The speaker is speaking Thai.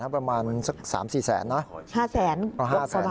ประมาณสัก๓๔แสนนะ